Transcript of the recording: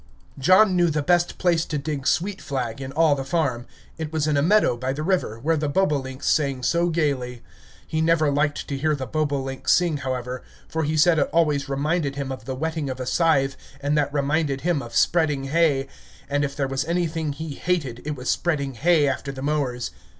John knew the best place to dig sweet flag in all the farm; it was in a meadow by the river, where the bobolinks sang so gayly. He never liked to hear the bobolink sing, however, for he said it always reminded him of the whetting of a scythe, and that reminded him of spreading hay; and if there was anything he hated, it was spreading hay after the mowers.